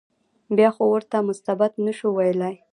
بیا خو ورته مستبد نه شو ویلای.